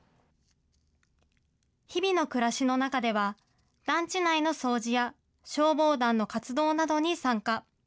日々の暮らしの中では、団地内の掃除や消防団の活動などに参加。